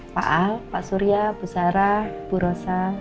pak al pak surya bu sarah bu rosa